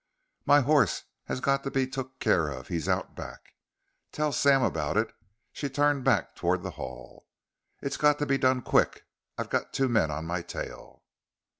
"My horse has got to be took care of. He's out back." "Tell Sam about it." She turned back toward the hall. "It's got to be done quick. I got two men on my tail."